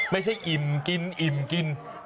ไม่ใช่อิ่มกินอิ่มกิน